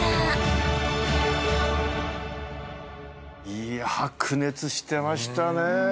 いや白熱してましたね。